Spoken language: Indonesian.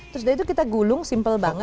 terus dari itu kita gulung simple banget